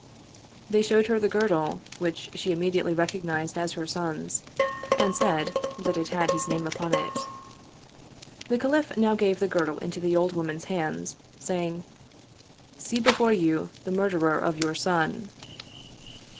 They showed her the girdle, which she immediately recognized as her son's^ and said that it had his name upon it. The caliph now gave the girdle into the old woman's hands, saying, " See before you the murderer of your son."